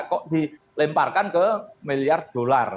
kok dilemparkan ke miliar dolar